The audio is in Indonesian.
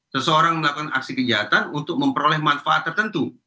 seseorang melakukan aksi kejahatan untuk memperoleh manfaat tertentu